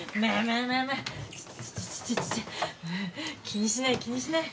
気にしない気にしない。